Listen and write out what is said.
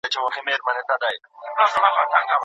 حنفي متاخرين فقهاء وايي، چي طلاقيږي.